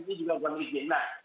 pemerintian perdagangan melalui dinas